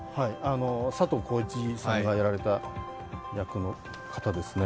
佐藤浩市さんがやられた役の方ですね。